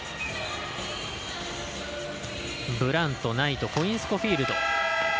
ブラント、ナイトコインスコーフィールド。